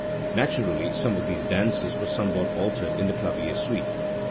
Naturally some of these dances were somewhat altered in the clavier suite.